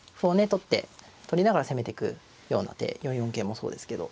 取って取りながら攻めていくような手４四桂もそうですけど。